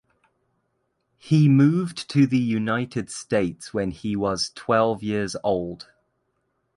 He moved to the United States when he was twelve years old.